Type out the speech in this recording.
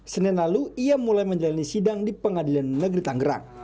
senin lalu ia mulai menjalani sidang di pengadilan negeri tanggerang